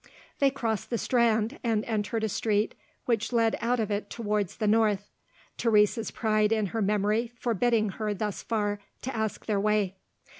They crossed the Strand, and entered a street which led out of it towards the North; Teresa's pride in her memory forbidding her thus far to ask their way.